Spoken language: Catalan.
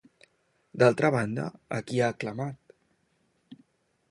D'altra banda, a qui ha aclamat?